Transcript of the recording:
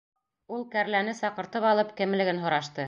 Ул, кәрләне саҡыртып алып, кемлеген һорашты.